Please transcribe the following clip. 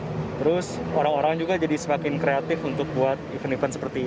terus orang orang juga jadi semakin kreatif untuk buat event event seperti ini